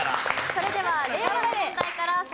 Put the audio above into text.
それでは令和の問題から再開です。